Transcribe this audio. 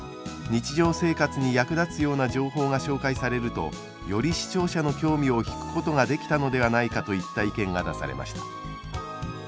日常生活に役立つような情報が紹介されるとより視聴者の興味を引くことができたのではないか」といった意見が出されました。